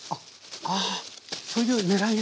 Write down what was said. あっあそういうねらいが！